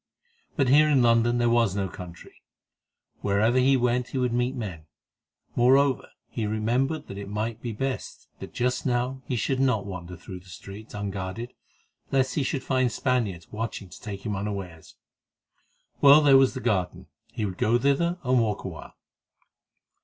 But here in London was no country, wherever he went he would meet men; moreover, he remembered that it might be best that just now he should not wander through the streets unguarded, lest he should find Spaniards watching to take him unawares. Well, there was the garden; he would go thither, and walk a while.